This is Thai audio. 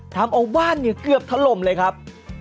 ทำเอาบ้านเนี่ยเกือบถล่มเลยครับ